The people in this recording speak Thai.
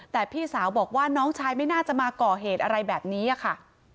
แต่พี่สาวบอกว่าน้องชายไม่น่าจะมาก่อเหตุอะไรแบบนี้ค่ะ